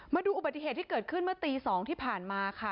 มาดูอุบัติเหตุที่เกิดขึ้นเมื่อตี๒ที่ผ่านมาค่ะ